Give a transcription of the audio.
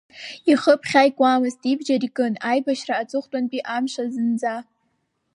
Ихы ԥхьаикуамызт, иабџьар икын аибашьра аҵыхәтәантәи амш азынӡа.